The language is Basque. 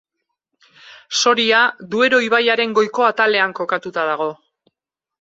Soria, Duero ibaiaren goiko atalean kokatuta dago.